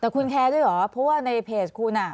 แต่คุณแคร์ด้วยเหรอเพราะว่าในเพจคุณอ่ะ